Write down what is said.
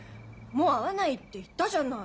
もう会わないって言ったじゃない。